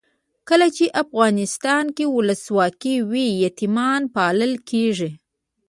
کله چې افغانستان کې ولسواکي وي یتیمان پالل کیږي.